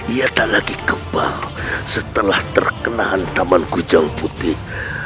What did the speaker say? ia tak lagi kembang setelah terkenaan taman gujang putih